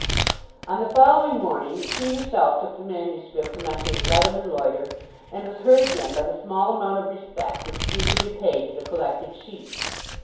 On the following morning she herself took the manuscript to Messrs. Leadham and Loiter, and was hurt again by the small amount of respect which seemed to be paid to the collected sheets.